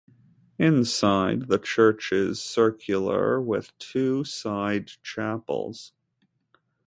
Inside, the church is circular with two side chapels.